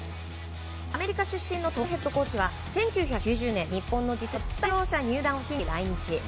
アメリカ出身のトムヘッドコーチは１９９０年、日本の実業団トヨタ自動車入団を機に来日。